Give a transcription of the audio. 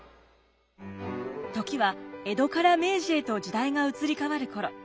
時は江戸から明治へと時代が移り変わる頃。